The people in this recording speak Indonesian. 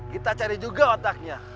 kita cari juga otaknya